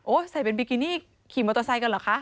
ใส่เป็นบิกินี่ขี่มอเตอร์ไซค์กันเหรอคะ